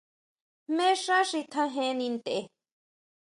Jmé xá xi tjajeni ntʼe.